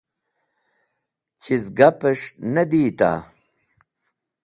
Chiz gapẽs̃h ne diyita?